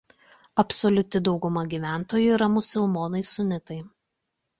Absoliuti dauguma gyventojų yra musulmonai sunitai.